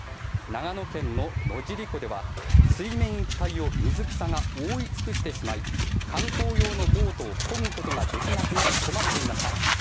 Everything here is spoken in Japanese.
長野県の野尻湖では水面一帯を水草が覆い尽くしてしまい観光用のボートをこぐことができなくなり困っていました。